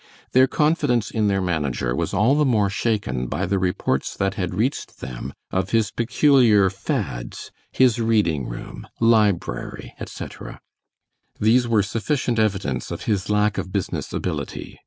Their confidence in their manager was all the more shaken by the reports that had reached them of his peculiar fads his reading room, library, etc. These were sufficient evidence of his lack of business ability.